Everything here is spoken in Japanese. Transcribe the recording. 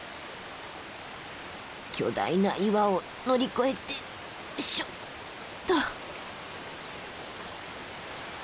巨大な岩を乗り越えてよいしょっと。